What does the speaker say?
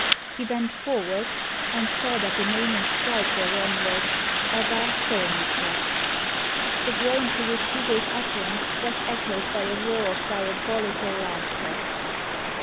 He bent forward, and saw that the name inscribed thereon was EBBA THORNEYCROFT. The groan to which he gave utterance was echoed by a roar of diabolical laughter.